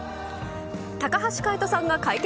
高橋海人さんが解決。